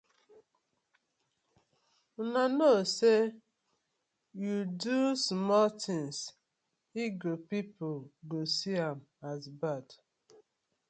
Una kno say yu do small tins e go pipu go see am as bad.